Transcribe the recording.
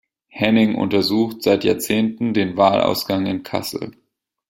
Hennig untersucht seit Jahrzehnten den Wahlausgang in Kassel.